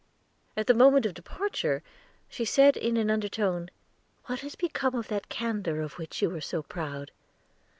At the moment of departure, she said in an undertone: "What has become of that candor of which you were so proud?"